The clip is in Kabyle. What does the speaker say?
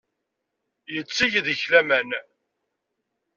Yetteg deg-k laman.